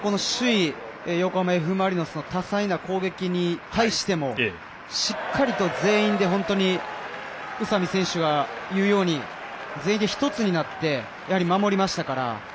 Ｆ・マリノスの多彩な攻撃に対してもしっかりと全員で本当に宇佐美選手が言うように全員で１つになって守りましたから